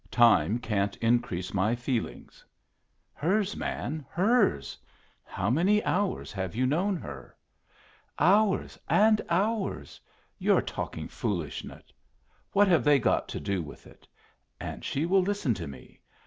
"Time can't increase my feelings." "Hers, man, hers! How many hours have you known her?" "Hours and hours! You're talking foolishness! What have they got to do with it? And she will listen to me.